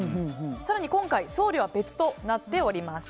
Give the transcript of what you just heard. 更に、今回送料は別となっております。